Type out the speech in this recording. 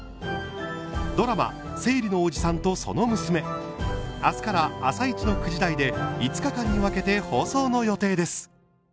ドラマ「生理のおじさんとその娘」明日から「あさイチ」の９時台で５日間に分けて放送の予定です。